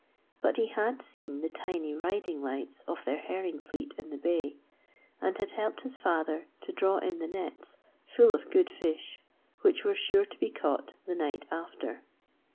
But he had seen the tiny riding lights of their herring fleet in the bay, and had helped his father to draw in the nets full of good fish, which were sure to be caught the night after.